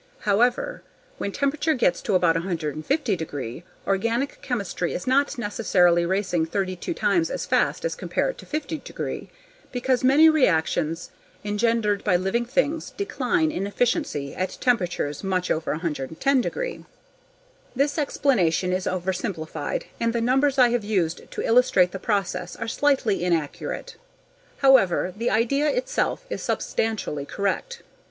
However, when temperatures get to about 150 degree organic chemistry is not necessarily racing 32 times as fast as compared to 50 degree because many reactions engendered by living things decline in efficiency at temperatures much over 110 degree. This explanation is oversimplified and the numbers I have used to illustrate the process are slightly inaccurate, however the idea itself is substantially correct.